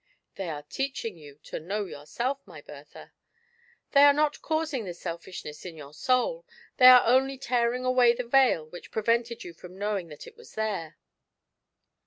" They are teaching you to know yourself, my Bertha ; they are not causing the selfishness in your soul, they are only tearing away the veil which prevented you from knowing that it was there.